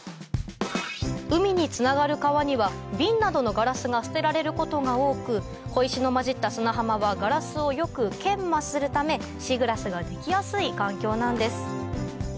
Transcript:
海につながる川には瓶などのガラスが捨てられることが多く小石の交じった砂浜はガラスをよく研磨するためシーグラスが出来やすい環境なんです